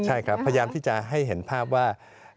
ใช่ครับพยายามที่จะให้เห็นภาพว่า